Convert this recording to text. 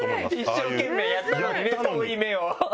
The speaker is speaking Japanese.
一生懸命やったのにね遠い目を。